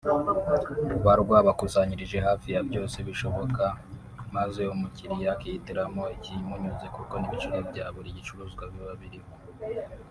ruba rwabakusanyirije hafi ya byose bishoboka maze umukiriya akihitiramo ikimunyuze kuko n’ibiciro bya buri gicuruzwa biba biriho